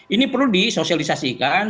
ini perlu disosialisasikan